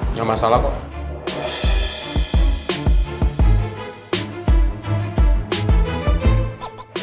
jadi banyak yang pengen gue ceritain tentang mel